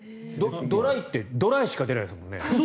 ドライってドライしか出ないですよね？